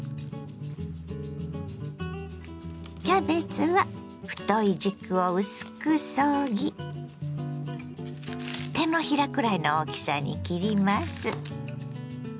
キャベツは太い軸を薄くそぎ手のひらくらいの大きさに切ります。